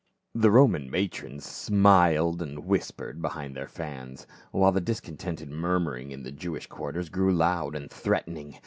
The Roman matrons smiled and whispered behind their fans ; while the discontented murmuring in the Jewish quarters grew loud and threatening.